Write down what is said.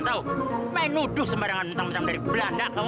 tau main nuduh sama dengan temen temen dari belanda kamu